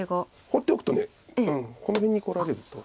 放っておくとこの辺にこられると。